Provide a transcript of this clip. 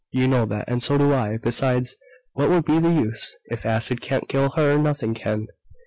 You know that, and so do I. Besides, what would be the use? If acid can't kill her, nothing can.